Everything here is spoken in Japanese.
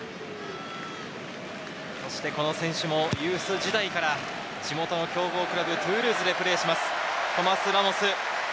そしてこの選手もユース時代から地元の強豪クラブ、トゥールーズでプレーします、トマス・ラモス。